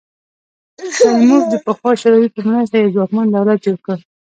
کریموف د پخوا شوروي په مرسته یو ځواکمن دولت جوړ کړ.